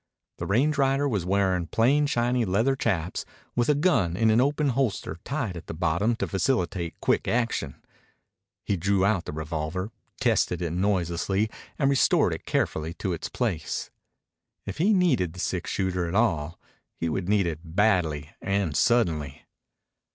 The range rider was wearing plain shiny leather chaps with a gun in an open holster tied at the bottom to facilitate quick action. He drew out the revolver, tested it noiselessly, and restored it carefully to its place. If he needed the six shooter at all, he would need it badly and suddenly.